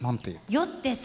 「酔って候」。